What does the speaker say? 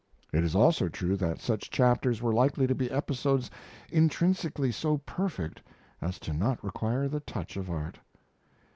It is also true that such chapters were likely to be episodes intrinsically so perfect as to not require the touch of art.